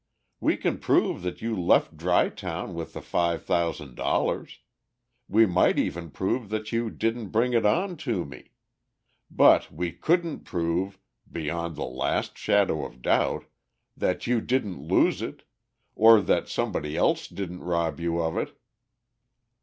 We can prove that you left Dry Town with the five thousand dollars; we might even prove that you didn't bring it on to me. But we couldn't prove, beyond the last shadow of doubt, that you didn't lose it, or that somebody else didn't rob you of it."